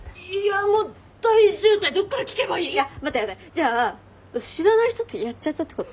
じゃあ知らない人とやっちゃったってこと？